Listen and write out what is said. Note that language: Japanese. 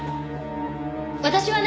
私はね。